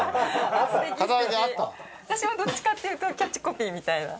私はどっちかっていうとキャッチコピーみたいな。